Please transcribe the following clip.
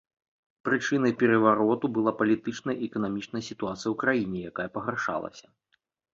Прычынай перавароту была палітычная і эканамічная сітуацыя ў краіне, якая пагаршалася.